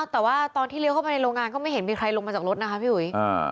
แต่ว่าตอนที่เลี้ยเข้าไปในโรงงานก็ไม่เห็นมีใครลงมาจากรถนะคะพี่อุ๋ย